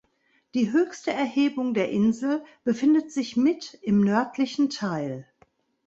Die höchste Erhebung der Insel befindet sich mit im nördlichen Teil.